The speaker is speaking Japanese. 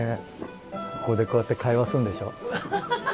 ここでこうやって会話すんでしょご